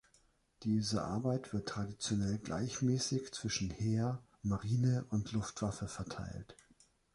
Diese Arbeit wird traditionell gleichmäßig zwischen Heer, Marine und Luftwaffe verteilt.